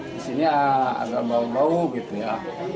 disini agak bau bau gitu ya